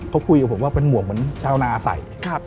เขาคุยกับผมว่าเป็นหมวกเหมือนชาวนาใส่